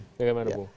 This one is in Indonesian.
gak kemana mana bu